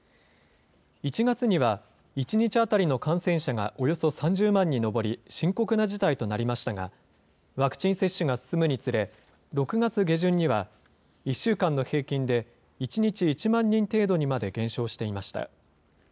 １月には、１日当たりの感染者がおよそ３０万に上り、深刻な事態となりましたが、ワクチン接種が進むにつれ、６月下旬には１週間の平均で１日１万人程度にまで減少していました。